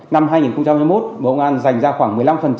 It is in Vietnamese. năm hai nghìn hai mươi một bộ công an dành ra khoảng một mươi năm